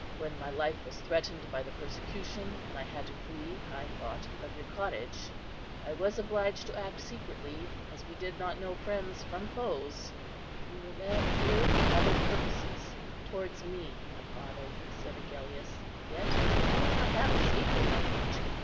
When my life was threatened by the persecution, and I had to flee, I thought of your cottage. I was obliged to act secretly, as we did not know friends from foes." "You were led here for other purposes towards me, my father," said Agellius; "yet you cannot have a safer refuge.